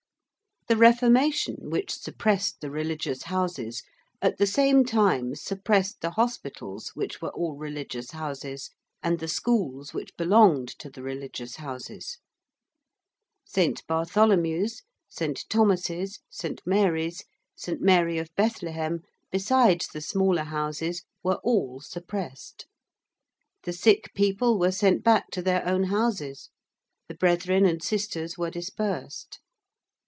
The Reformation, which suppressed the religious Houses, at the same time suppressed the hospitals which were all religious Houses and the schools which belonged to the religious Houses. St. Bartholomew's, St. Thomas's, St. Mary's, St. Mary of Bethlehem, besides the smaller houses, were all suppressed. The sick people were sent back to their own houses; the brethren and sisters were dispersed.